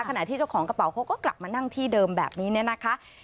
ที่เจ้าของกระเป๋าเขาก็กลับมานั่งที่เดิมแบบนี้เนี่ยนะคะ